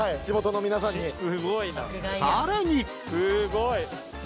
［さらに］